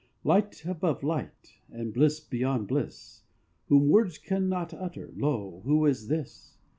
Light above light, and Bliss beyond bliss, Whom words cannot utter, lo, Who is This?